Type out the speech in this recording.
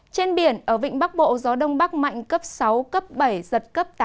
trên biển ở vịnh bắc bộ gió đông bắc mạnh cấp sáu cấp bảy giật cấp tám